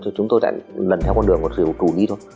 thì chúng tôi lại lần theo con đường một rìu tủ đi thôi